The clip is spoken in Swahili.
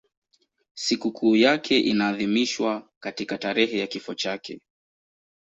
Sikukuu yake inaadhimishwa katika tarehe ya kifo chake.